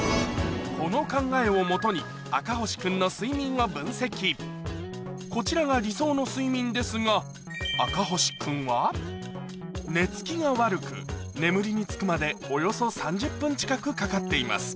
この考えをもとにこちらが理想の睡眠ですが赤星君は寝つきが悪く眠りにつくまでおよそ３０分近くかかっています